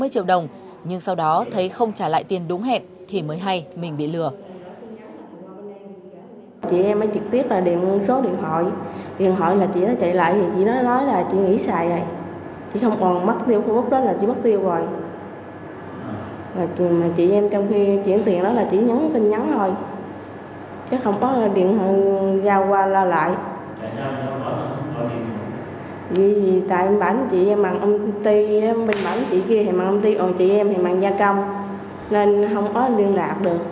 năm trăm sáu mươi triệu đồng nhưng sau đó thấy không trả lại tiền đúng hẹn thì mới hay mình bị lừa